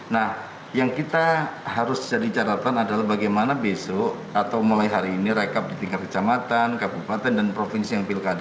nah yang kita harus jadi catatan adalah bagaimana besok atau mulai hari ini rekap di tingkat kecamatan kabupaten dan provinsi yang pilkada